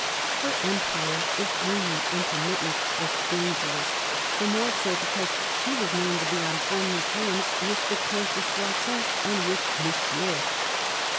Her empire, if only intermittent, was dangerous ; the more so, because she was known to be on friendly terms with the Comte de Soissons and with Monsieur.